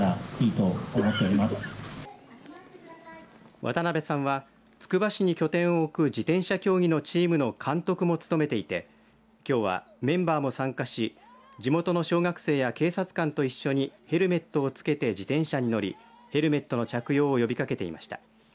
渡辺さんはつくば市に拠点を置く自転車競技のチームの監督も務めていてきょうはメンバーも参加し地元の小学生や警察官と一緒にヘルメットを着けて自転車に乗りヘルメットの着用を呼びかけていました。